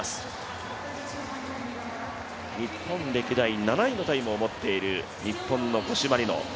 日本歴代７位のタイムを持っている日本の五島莉乃。